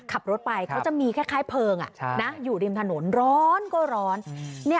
ขับรถไปเขาจะมีคล้ายเพลิงอยู่ริมถนนร้อนก็ร้อน